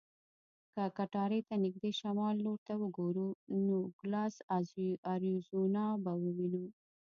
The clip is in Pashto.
که کټارې ته نږدې شمال لور ته وګورو، نوګالس اریزونا به وینو.